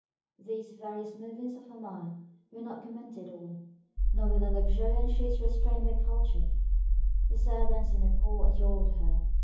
These various movements of her mind were not commented on, nor were the luxuriant shoots restrained by culture. The servants and the poor adored her.